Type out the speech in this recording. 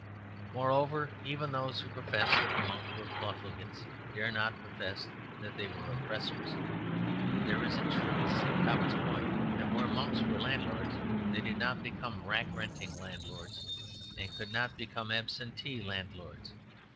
Moreover, even those who profess that the monks were profligates dare not profess that they were oppressors; there is truth in Cobbett's point that where monks were landlords, they did not become rack renting landlords, and could not become absentee landlords.